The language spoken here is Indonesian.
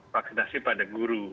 vaksinasi pada guru